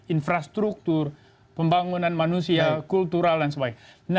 infrastruktur pembangunan manusia kultural dan sebagainya